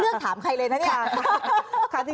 จริงทำไมไม่ได้เลือกถามใครเลยนะเนี่ย